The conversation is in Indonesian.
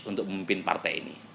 untuk memimpin partai ini